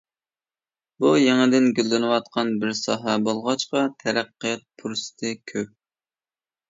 بۇ يېڭىدىن گۈللىنىۋاتقان بىر ساھە بولغاچقا تەرەققىيات پۇرسىتى كۆپ.